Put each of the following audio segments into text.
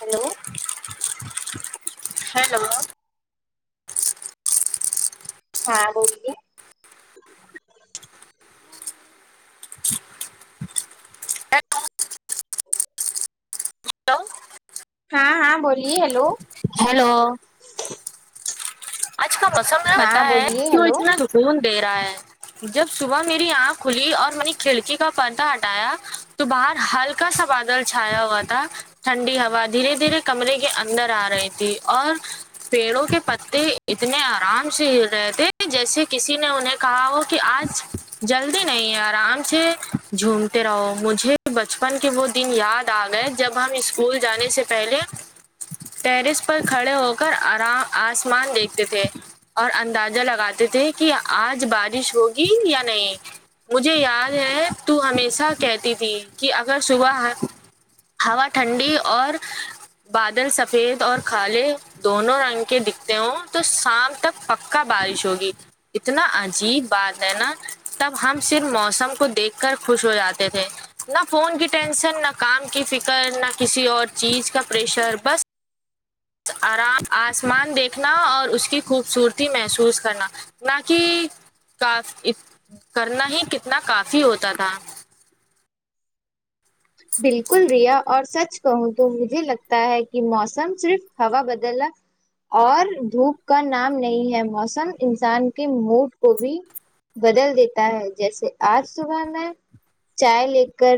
hello hello ہاں بولیے hello ہاں ہاں بولیے ہیلو ہیلو آج کا موسم ہاں پتا ہے بولیے کہوں ہیلو اتنا سکون دے رہا ہے جب صبح میری آنکھ کھلی اور میں نے کھڑکی کا پردہ ہٹایا تو باہر ہلکا سا بادل چھایا ہوا تھا ٹھنڈی ہوا دھیرے دھیرے کمرے کے اندر آ رہی تھی اور پیڑوں کے پتے اتنے آرام سے ہل رہے تھے جیسے کسی نے انہیں کہا ہو کہ آج جلدی نہیں ہے آرام سے جھومتے رہو مجھے بچپن کے وہ دن یاد آ گئے جب ہم اسکول جانے سے پہلے ٹیرس پر کھڑے ہو کر آرام آسمان دیکھیں تھے اور اندازہ لگاتے تھے کہ آج بارش ہوگی یا نہیں مجھے یاد ہے تو ہمیشہ کہتی تھی کہ اگر صبح ہوا ٹھنڈی اور بادل سفید اور کالے دونوں رنگ کے دکھتے ہ تو شام تک پککا بارش ہوگی اتنا عجیب بات ہے نا تب ہم صرف موسم کو دیکھ کر خوش ہو جاتے تھے نہ فون کی ٹینشن نہ کام کی فکر نہ کسی اور چیز کا پریشر بس آرام آسمان دیکھنا اور اس کی خوبصورتی محسوس کرنا نہ کہ کاف کرنا ہی کتنا کافی ہوتا تھا بالکل ریا اور سچ کہوں تو مجھے لگتا ہے کہ موسم صرف ہووا بدلنا اور دھوپ کا نام نہیں ہے موسم انسان کے موڈ کو بھی بدل دیتا ہے جیسے آج صبح میں چائے لے کر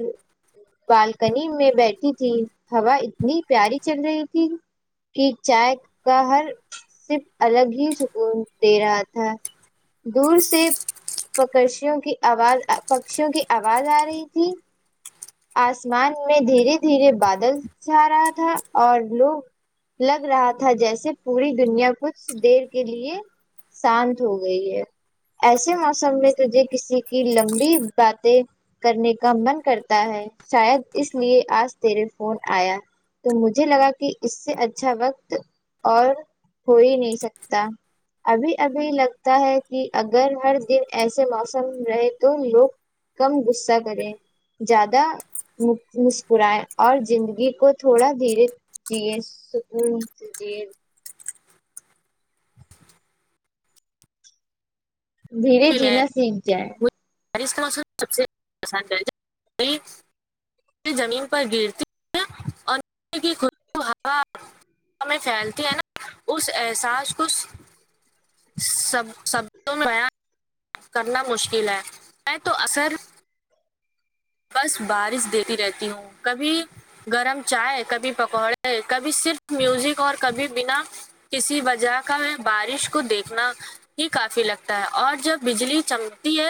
بالکنی میں بیٹھی تھی ہوا اتنی پیاری چل رہی تھی کہ چائے کا ہر صرف الگ ہی سکون دے رہا تھا دور سے پکشوں کی آواز پکشیوں کی آواز آ رہی تھی آسمان میں دھیرے دھیرے بادل جھا رہا تھا اور لوگ لگ رہا تھا جیسے پوری دنیا کچھ دیر کے لیے شانت ہو گئی ہے ایسے موسم میں تھے کسی کی لمبی باتیں کرنے کا من کرتا ہے شاید اس لیے آج تیرے فون آیا تو مجھے لگا کہ اس سے اچھا وقت اور ہو ہی نہیں سکتا ابھی ابھی لگتا ہے کہ اگر ہر دن ایسے موسم رہے تو لوگ کم غصہ کرے زیادہ مسکرائے اور زندگی کو تھوڑا دھیرے جی [unintelligible] سک جی دھیرے جینا سیکھ جائے بارش کا موسم سب سے آسان زمین پر گرتی خا [unintelligible] میں پھیلتی ہے نا اس احساس کو سب شبدوں میں بیان کرنا مشکل ہے ہے تو اثر بس بارش دیتی رہتی ہوں کبھی گرم چائے کبھی پکوڑے کبھی صرف میوزک اور کبھی بنا کسی وجہ کا میں بارش کو دیکھنا ہی کافی لگتا ہے اور جب بجلی چمکتی ہے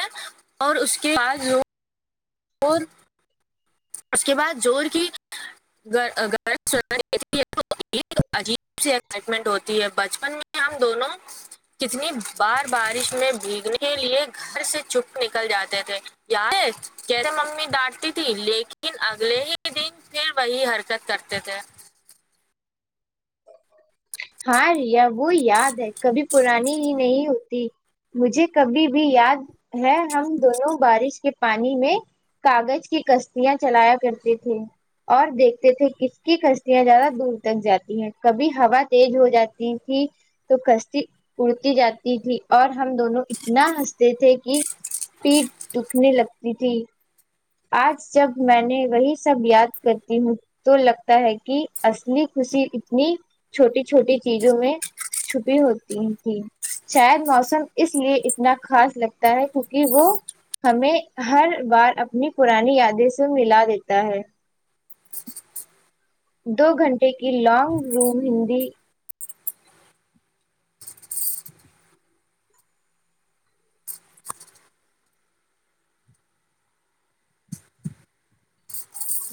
اور اس کے بعد اور اس کے بعد جور کی گرج چمک یہ عجیب سی ایکسائٹمنٹ ہوتی ہے بچپن میں ہم دونوں کتنی بار بارش میں بھیگنے کے لیے گھر سے چپ نکل جاتے تھے یاد ہے کیسے ممی ڈانٹتی تھی لے لیکن اگلے ہی دن پھر وہی حرکت کرتے تھے ہاں ریا وہ یاد ہے کبھی پرانی ہی نہیں ہوتی مجھے کبھی بھی یاد ہے ہم دونوں بارش کے پانی میں کاغذ کی کشتیاں چلایا کرتی تھی اور دیکھتے تھے کس کی کشیاں زیادہ دور تک جاتی ہیں کبھی ہوا تیز ہو جاتی تھی تو کشتی اڑتی جاتی تھی اور ہم دونوں اتنا ہنستے تھے کہ پیٹ دکھنے لگتی تھی آج جب میں نے وہی سب یاد کرتی ہوں تو لگتا ہے کہ اصلی خوشی اتنی چھوٹی چھوٹی چیزوں میں چھپی ہوتی تھی شاید موسم اس لیے اتنا خاص لگتا ہے کیونکہ وہ ہمیں ہر بار اپنی پرانی یادیں سے ملا دیتا ہے دو گھنٹے کی لانگ روم ہندی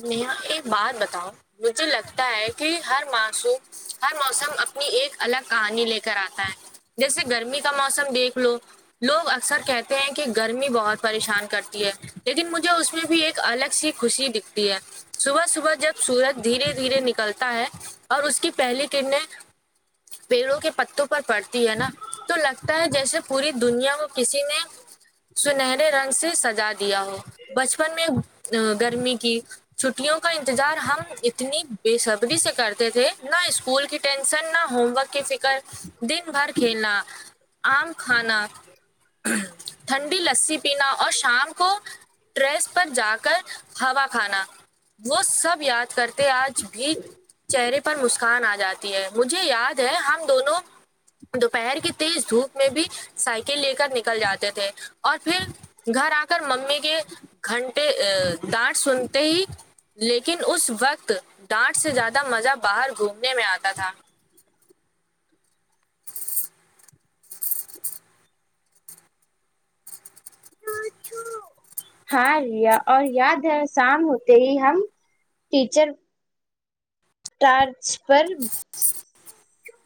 نیہا ایک بات بتاؤں مجھے لگتا ہے کہ ہر معصوم ہر موسم اپنی ایک الگ کہانی لے کر آتا ہے جیسے گرمی کا موسم دیکھ لو لوگ اکثر کہتے ہیں کہ گرمی بہت پریشان کرتی ہے لیکن مجھے اس میں بھی ایک الگ سی خوشی دکھتی ہے صبح صبح جب سورج دھیرے دھیرے نکلتا ہے اور اس کی پہلی کرنیں پیڑوں کے پتوں پر پڑتی ہے نا تو لگتا ہے جیسے پوری دنیا کو کسی نے سنہرے رنگ سے سجا دیا ہو بچپن میں گرمی کی چھٹیوں کا انتظار ہم اتنی بے صبری سے کرتے تھے نہ اسکول کی ٹینشن نہ ہوم ورک کی فکر دن بھر کھیلنا آم کھانا ٹھنڈی لسی پینا اور شام کو ٹریس پر جا کر ہوا کھانا وہ سب یاد کرتے آج بھی چہرے پر مسکان آ جاتی ہے مجھے یاد ہے ہم دونوں دوپہر کی تیز دھوپ میں بھی سائیکل لے کر نکل جاتے تھے اور پھر گھر آ کر ممی کے گھنٹے ڈانٹ سن تے ہی لیکن اس وقت ڈانٹ سے زیادہ مزہ باہر گھومنے میں آتا تھا ہاں ریا اور یاد ہے شام ہوتے ہی ہم ٹیچر ٹارچ پر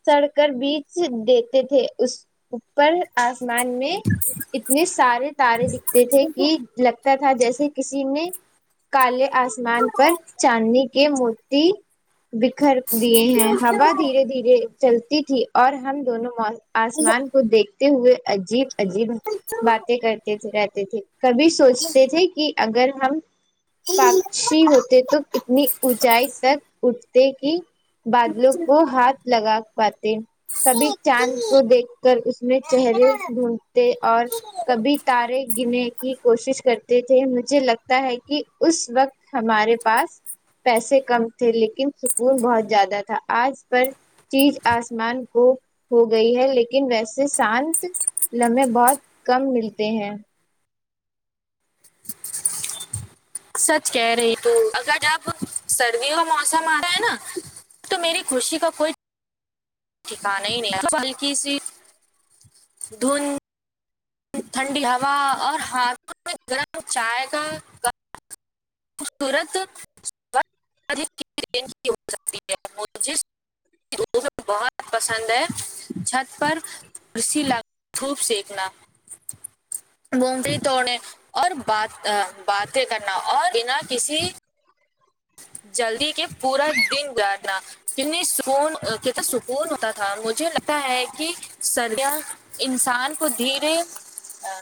سڑ کر بیچ دیتے تھے اس اوپر آسمان میں اتنے سارے تارے دکھتے تھے کہ لگتا تھا جیسے کسی نے کالے آسمان پر چاندنی کے موتی بکھر دیے ہیں ہوا دھیرے دھیرے چلتی تھی اور ہم دونوں آسمان کو دیکھتے ہوئے عجیب عجیب باتیں کرتے رہتے تھے کبھی سوچتے تھے کہ اگر ہم پکشی ہوتے تو اتنی اونچائی تک اٹھتے کی بادلوں کو ہاتھ لگا پاتے کبھی چاند کو دیکھ کر اس میں چہرے ڈھونڈتے اور کبھی تارے گنے کی کوشش کرتے تھے مجھے لگتا ہے کہ اس وقت ہمارے پاس پیسے کم تھے لیکن سکون بہت زیادہ تھا آج پر چیز آسمان کو ہوگئی ہے لیکن ویسے سانتہ لمحے بہت کم ملتے ہیں سچ کہہ رہی تو اگر اب سردیوں موسم آ رہا ہے نا تو میری خوشی کا کوئی ٹھکانا ہی نہیں کی سی دھون ٹھنڈی ہوا اور ہاتھوں میں گرم چائے کا [unintelligible] مجھے بہت پسند ہے چھت پر اسیی لگ دھوپ سیکھنا بونڈری توڑنے اور بات باتیں کرنا اور بینا کسی جلدی کے پورا دن جانا کتنی سکون کتنا سکون ہوتا تھا مجھے لگتا ہے کہ سردیا انسان کو دھیرے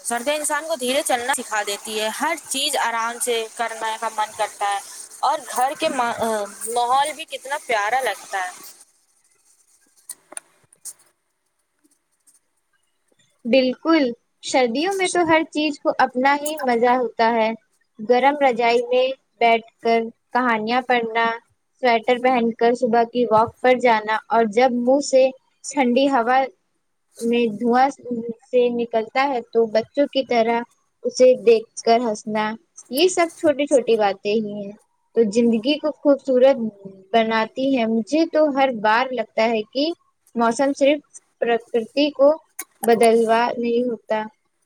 سردیں انسان کو دھیرے چلنا سکھا دیتی ہے ہر چیز آرام سے کرنے کا من کرتا ہے اور گھر کے ماحول آ بھی کتنا پیارا لگتا ہے بلکل سردیوں میں تو ہر چیز کو اپنا ہی مزہ ہوتا ہے گرم رضاعی میں بیٹھ کر کہانیاں پڑھنا سویٹر پہن کر صبح کی واک پر جانا اور جب منہ سے ٹھنڈی ہوا میں دھوا سہ منہ سے نکلتا ہے تو بچوں کی طرح اسے دیکھ کر ہنسنا یے سب چھوٹی چھوٹی باتیں ہی ہیں تو زندگی کو خوبصورت بناتی ہے مجھے تو ہر بار لگتا ہے کی موسم صرف پرکریتی کو بدلوا نہیں ہوتا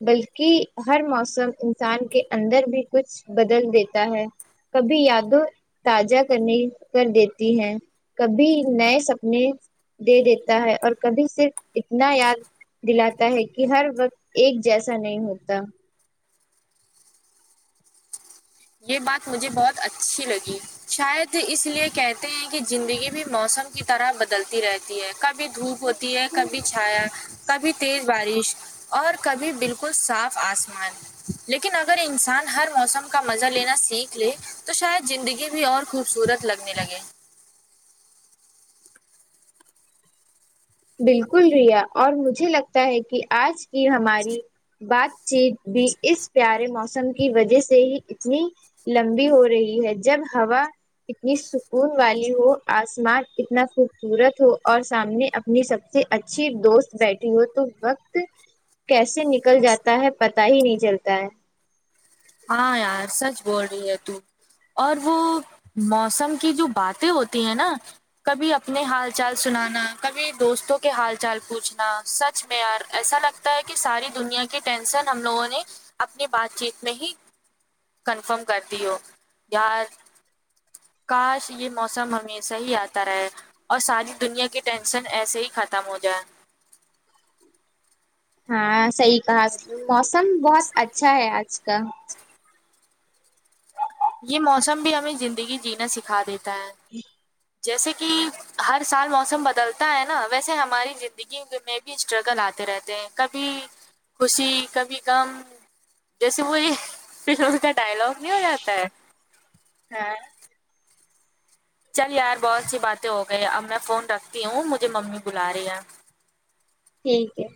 بلکی ہر موسم انسان کے اندر بھی کچھ بدل دیتا ہے کبھی یادوں تازہ کرنے کردیتی ہیں کبھی نئے سپنے دے دیتا ہے اور کبھی صرف اتنا یاد دلاتا ہے کی ہر وقت ایک جیسا نہیں ہوتا یے بات مجھے بہت اچھی لگی شاید اس لیے کہتے ہیں کی زندگی بھی موسم کی طرح بدلتی رہتی ہے کب کبھی دھوپ ہوتی ہے کبھی چھایا کبھی تیز بارش اور کبھی بالکل صاف آسمان لیکن اگر انسان ہر موسم کا مزہ لینا سیکھ لے تو شاید زندگی بھی اور خوبصورت لگنے لگے بلکل ریا اور مجھے لگتا ہے کی آج کی ہماری بات چیت بھی اس پیارے موسم کی وجہ سے ہی اتنی لمبی ہو رہی ہے جب ہوا اتنی سکون والی ہو آسمان اتنا خوبصورت ہو اور سامنے اپنی سب سے اچھی دوست بیٹھی ہو تو وقت کیسے نکل جاتا ہے پتا ہی نہیں چلتا ہے ہاں یار سچ بول رہی ہے تو اور وہ موسم کی جو باتیں ہوتی ہیں نا کبھی اپنے حال چال سنانا کبھی دوستوں کے حال چال پوچھنا سچ میں یار ایسا لگ تا ہے کی ساری دنیا کی ٹینشن ہم لوگوں نے اپنی بات چیت میں ہی کنفرم کردی ہو یار کاش یے موسم ہمشہ ہی آتا رہے اور ساری دنیا کی ٹینشن ایسے ہی ختم ہو جائے ہاں صحیح کہا موسم بہت اچھا ہے آج ک یے موسم بھی ہمیں زندگی جینا سکھا دیتا ہے جیسے کی ہر سال موسم بدلتا ہے نا ویسے ہماری زندگی میں بھی اسٹرگل آتے رہتے ہیں کبھی خوشی کبھی غم جیسے وہ یے فلم کا ڈائلگ نہیں ہو جاتا ہے ہاں چل یار بہت سی باتیں ہو گئی اب میں فون رکھتی ہوں مجھے ممی بلا رہی ہے ٹھیک ہے